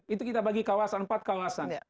itu kita bagi keempat kawasan